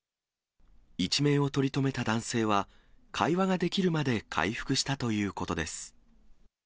一命を取り留めた男性は、会話ができるまで回復したということです。